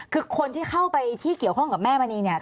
คือคนที่เข้าไปที่เกี่ยวข้องกับแม่มณีเนี่ย